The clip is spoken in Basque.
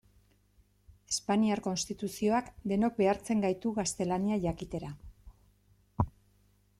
Espainiar Konstituzioak denok behartzen gaitu gaztelania jakitera.